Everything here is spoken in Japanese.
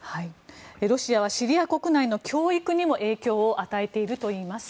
ロシアはシリア国内の教育にも影響を与えているといいます。